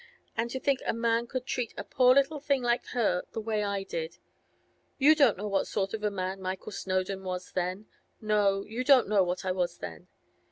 And to think a man could treat a poor little thing like her the way I did!—you don't know what sort of a man Michael Snowdon was then; no, you don't know what I was then.